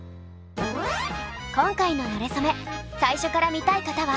今回の「なれそめ」最初から見たい方は。